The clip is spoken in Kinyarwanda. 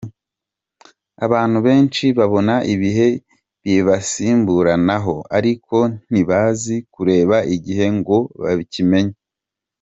Abantu benshi babona ibihe bibasimburanaho ariko ntibazi kureba igihe ngo bakimenye.